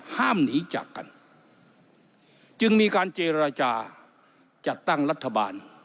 ห้ามหนีจากกันจึงมีการเจรจาจัดตั้งรัฐบาล